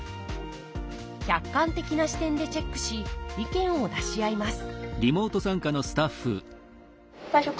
客観的な視点でチェックし意見を出し合います